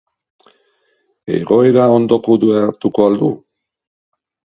Egoera ondo kudeatuko al du?